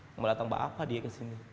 mengapa datang ke sini